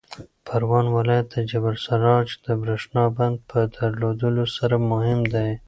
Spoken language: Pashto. پروان ولایت د جبل السراج د برېښنا بند په درلودلو سره مهم دی.